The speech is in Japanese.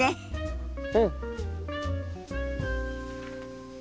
うん！